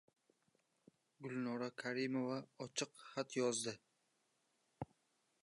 Gulnora Karimova ochiq xat yozdi